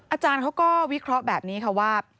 อาจารย์เขาก็วิเคราะห์แบบนี้ค่ะว่า